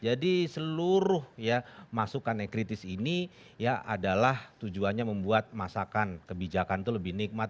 jadi seluruh ya masukan yang kritis ini ya adalah tujuannya membuat masakan kebijakan itu lebih nikmat